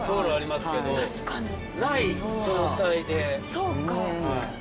そうか。